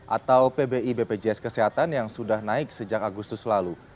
atau pbi bpjs kesehatan yang sudah naik sejak agustus lalu